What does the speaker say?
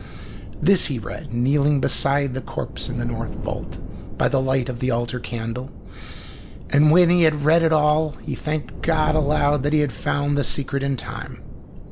This he read, kneeling beside the corpse in the north vault, by the light of the altar candle; and when he had read it all, he thanked God aloud that he had found the secret in time.